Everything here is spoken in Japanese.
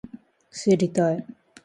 知りたい